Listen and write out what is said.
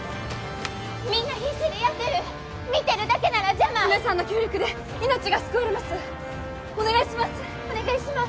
みんな必死でやってる見てるだけなら邪魔皆さんの協力で命が救われますお願いしますお願いします